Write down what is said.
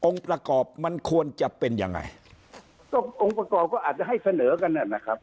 ประกอบมันควรจะเป็นยังไงก็องค์ประกอบก็อาจจะให้เสนอกันนะครับ